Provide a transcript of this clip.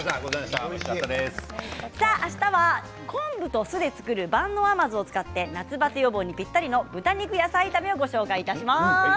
あしたは昆布と酢で作る万能甘酢を使った夏バテ予防にぴったりの豚肉野菜炒めをご紹介します。